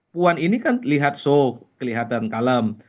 puan ini kan terlihat soft kelihatan kalem